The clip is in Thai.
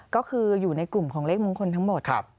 ก็คืออยู่ในกลุ่มของเลขมงคลทั้งหมด